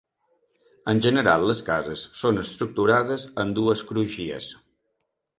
En general les cases són estructurades en dues crugies.